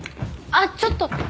あっちょっと。